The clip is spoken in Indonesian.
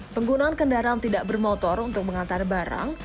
penggunaan kendaraan tidak bermotor untuk mengantar barang